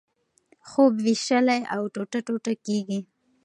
خوب وېشلی او ټوټه ټوټه کېږي.